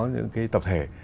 những cái tập thể